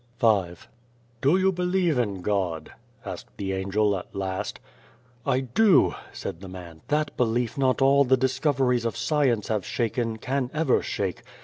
" Do you believe in God?" asked the Angel at last. "I do !" said the man. " That belief not all the discoveries of science have shaken, can ever shake.